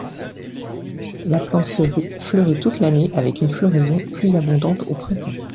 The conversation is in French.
La plante fleurit toute l'année avec une floraison plus abondante au printemps.